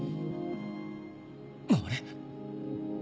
あれ？